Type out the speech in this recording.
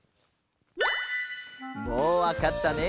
もうわかったね？